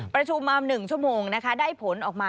ประชุมมา๑ชั่วโมงนะคะได้ผลออกมา